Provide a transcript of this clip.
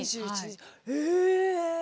え。